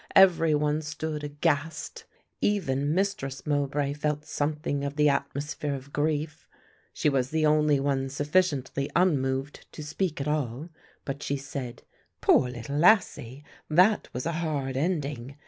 Every one stood aghast. Even Mistress Mowbray felt something of the atmosphere of grief; she was the only one sufficiently unmoved to speak at all, but she said, "Poor little lassie, that was a hard ending.